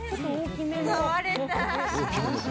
触れた。